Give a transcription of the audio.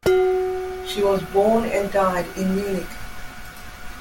She was born and died in Munich.